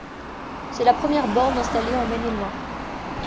C'est la première borne installée en Maine-et-Loire.